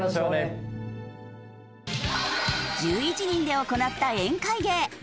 １１人で行った宴会芸。